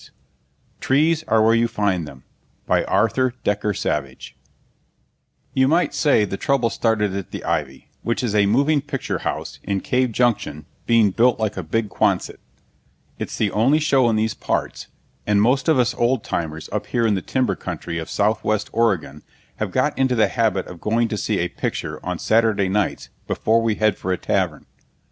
_ TREES are where you find them By Arthur Dekker Savage Illustrated by Philip Parsons You might say the trouble started at the Ivy, which is a moving picture house in Cave Junction built like a big quonset. It's the only show in these parts, and most of us old timers up here in the timber country of southwest Oregon have got into the habit of going to see a picture on Saturday nights before we head for a tavern.